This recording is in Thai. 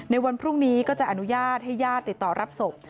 วันพรุ่งนี้ก็จะอนุญาตให้ญาติติดต่อรับศพ